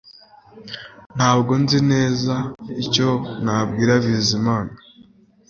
Ntabwo nzi neza icyo nabwira Bizimana